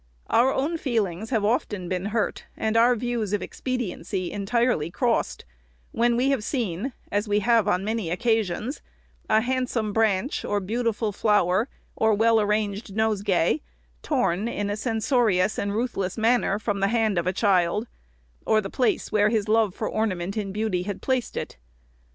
Our own feelings have often been hurt, and our views of expediency entirely crossed, when we have seen, as we have on many occasions, a handsome branch, or beautiful flower, or well arranged nosegay, torn in a cen sorious and ruthless manner from the hand of a child, or the place where his love for ornament and beauty had placed it.